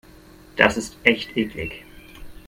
Das ist echt eklig.